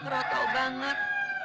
rao tau banget